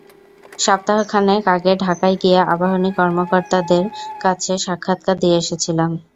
সপ্তাহ খানেক আগে ঢাকায় গিয়ে আবাহনী কর্মকর্তাদের কাছে সাক্ষাৎকার দিয়ে এসেছিলাম।